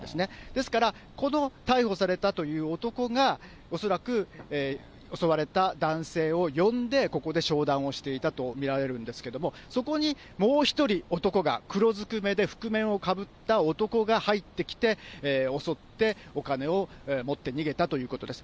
ですから、この逮捕されたという男が、恐らく襲われた男性を呼んで、ここで商談をしていたと見られるんですけれども、そこにもう１人、男が、黒ずくめで覆面をかぶった男が入ってきて、襲って、お金を持って逃げたということです。